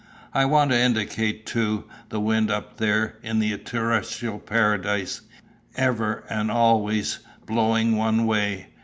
I want to indicate too the wind up there in the terrestrial paradise, ever and always blowing one way.